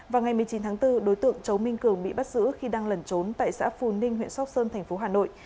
vào ngày một mươi chín tháng bốn đối tượng châu minh cường bị bắt giữ khi đang lẩn trốn tại xã phù ninh huyện sóc sơn thành phố hà nội